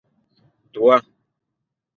دوه